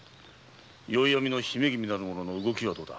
“宵闇の姫君”の動きはどうだ？